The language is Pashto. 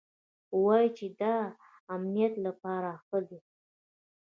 وايي چې د امنيت له پاره ښه دي.